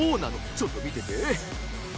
ちょっと見てて。